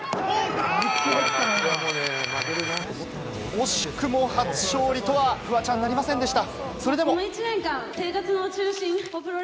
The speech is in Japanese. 惜しくも初勝利とはなりませんでした。